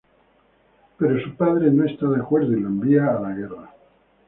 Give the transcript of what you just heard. Pero su padre no está de acuerdo, y lo envía a la guerra.